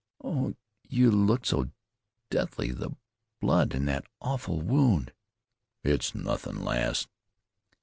"Oh! You looked so deathly the blood, and that awful wound!" "It's nothin', lass."